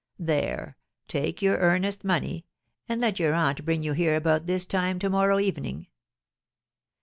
There, take your earnest money; and let your aunt bring you here about this time to morrow evening.'